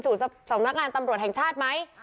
สำนักงานตำรวจแห่งชาติไหม